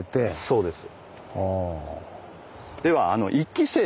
そうです。